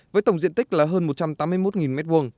với tổng diện tích là hơn một trăm tám mươi một m hai